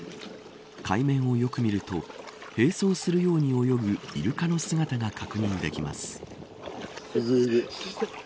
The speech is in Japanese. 海面をよく見ると併走するように泳ぐイルカの姿が確認できます。